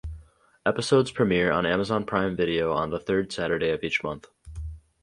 Episodes premiere on Amazon Prime Video on the third Saturday of each month.